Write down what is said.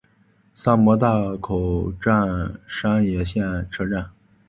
萨摩大口站山野线车站。